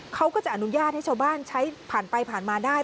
เขาก็จะอนุญาตให้ชาวบ้านใช้ผ่านไปผ่านมาได้